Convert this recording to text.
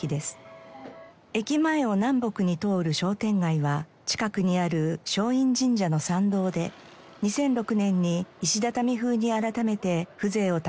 駅前を南北に通る商店街は近くにある松陰神社の参道で２００６年に石畳風に改めて風情を高めました。